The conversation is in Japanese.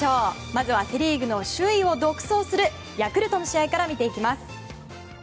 まずはセ・リーグの首位を独走するヤクルトの試合から見ていきます。